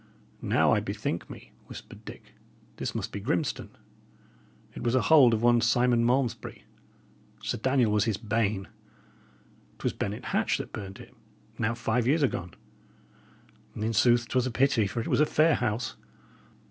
"Now I bethink me," whispered Dick, "this must be Grimstone. It was a hold of one Simon Malmesbury; Sir Daniel was his bane! 'Twas Bennet Hatch that burned it, now five years agone. In sooth, 'twas pity, for it was a fair house."